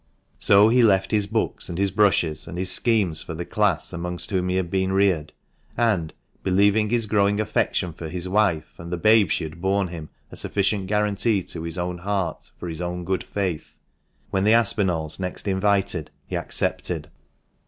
So he left his books, and his brushes, and his schemes for the class amongst whom he had been reared, and (believing his growing affection for his wife, and the babe she had borne him, a sufficient guarantee to his own heart for his own good faith) when the Aspinalls next invited, he accepted.